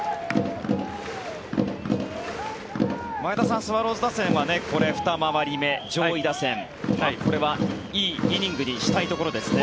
前田さん、スワローズ打線はここで２回り目上位打線、これはいいイニングにしたいところですね。